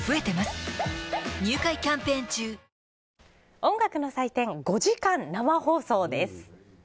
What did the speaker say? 音楽の祭典５時間生放送です。